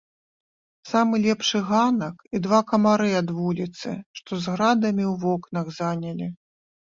Самы лепшы ганак і два камары ад вуліцы, што з градамі ў вокнах, занялі.